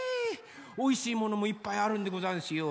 おいしいものもいっぱいあるんでござんすよ。